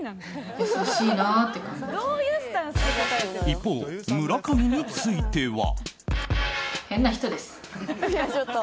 一方、村上については。